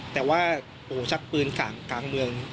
แต่ว่าโอ้โหชักปืนกลางเมือง